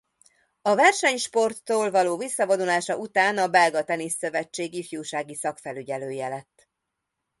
A versenysporttól való visszavonulása után a Belga Tenisz Szövetség ifjúsági szakfelügyelője lett.